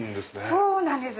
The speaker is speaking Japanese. そうなんです。